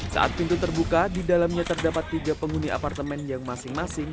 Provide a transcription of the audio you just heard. saat pintu terbuka di dalamnya terdapat tiga penghuni apartemen yang masing masing